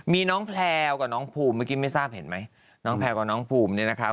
มีน้องแพลวกับน้องภูมิเมื่อกี้ไม่ทราบเห็นไหมน้องแพลวกับน้องภูมิเนี่ยนะคะ